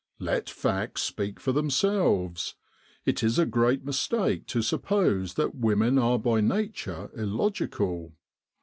Let facts speak for themselves. It is a great mistake to suppose that women are by nature illogical.